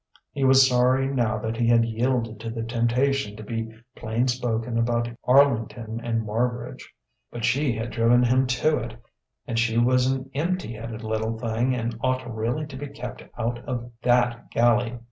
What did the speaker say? He was sorry now that he had yielded to the temptation to be plain spoken about Arlington and Marbridge. But she had driven him to it; and she was an empty headed little thing and ought really to be kept out of that galley.